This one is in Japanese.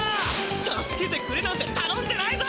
助けてくれなんてたのんでないぞ！